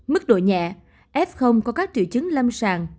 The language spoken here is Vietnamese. mức độ nhẹ f có các triệu chứng lâm sàng